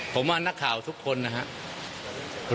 ผมว่านักข่าวทุกคนนะครับ